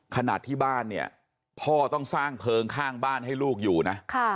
ขนาดที่บ้านเนี่ยพ่อต้องสร้างเพลิงข้างบ้านให้ลูกอยู่นะ